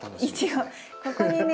ここにね